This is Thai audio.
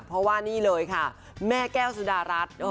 เพราะว่านี่เลยค่ะแม่แก้วสุดารัฐ